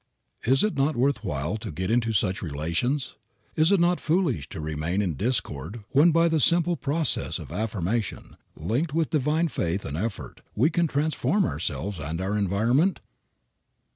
Is it not worth while to get into such relations? Is it not foolish to remain in discord when by the simple process of affirmation, linked with divine faith and effort, we can transform ourselves and our environment?